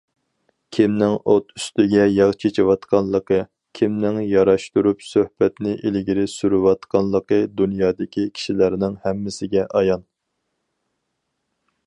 كىمنىڭ ئوت ئۈستىگە ياغ چېچىۋاتقانلىقى، كىمنىڭ ياراشتۇرۇپ سۆھبەتنى ئىلگىرى سۈرۈۋاتقانلىقى دۇنيادىكى كىشىلەرنىڭ ھەممىسىگە ئايان.